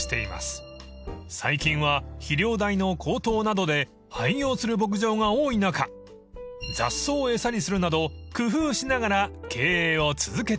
［最近は飼料代の高騰などで廃業する牧場が多い中雑草を餌にするなど工夫しながら経営を続けています］